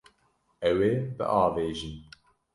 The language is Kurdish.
Ew ê biavêjin.